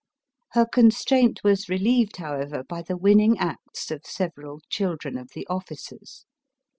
Her constraint was relieved, however, by the winning acts of several children of the officers.